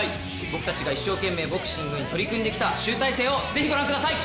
僕たちが一生懸命ボクシングに取り組んできた集大成をぜひご覧ください。